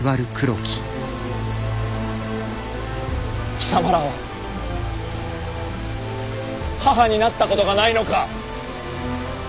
貴様らは母になったことがないのか？